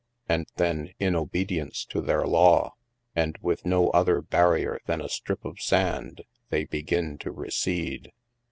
And then, in obedience to their law and with no other barrier than a strip of sand, they begin to recede.